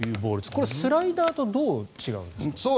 これ、スライダーとどう違うんですか？